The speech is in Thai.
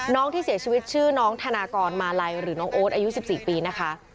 น้องที่เสียชีวิตชื่อน้องธนากรมาลัยหรือน้องโอ๊ตอายุ๑๔ปีนะคะ